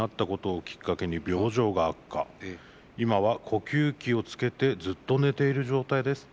今は呼吸器をつけてずっと寝ている状態です。